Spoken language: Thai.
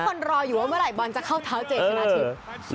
ทุกคนรออยู่ว่าเมื่อไหร่บอลจะเข้าเท้าเจชนะถึง